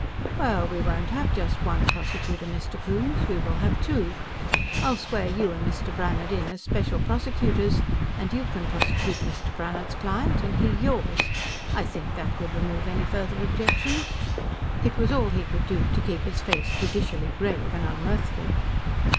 "Well, we won't have just one prosecutor, Mr. Coombes, we will have two. I'll swear you and Mr. Brannhard in as special prosecutors, and you can prosecute Mr. Brannhard's client, and he yours. I think that would remove any further objections." It was all he could do to keep his face judicially grave and unmirthful.